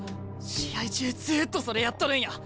試合中ずっとそれやっとるんや！